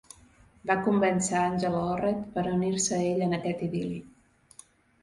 Va convèncer a Angela Orred per unir-se a ell en aquest idil·li.